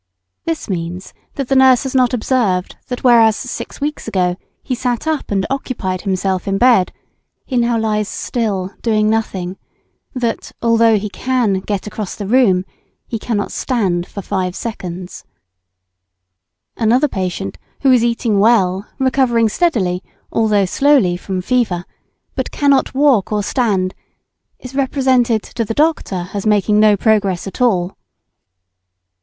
This means that the nurse has not observed that whereas six weeks ago he sat up and occupied himself in bed, he now lies still doing nothing; that, although he can "get across the room," he cannot stand for five seconds. Another patient who is eating well, recovering steadily, although slowly, from fever, but cannot walk or stand, is represented to the doctor as making no progress at all. [Sidenote: Leading questions useless or misleading.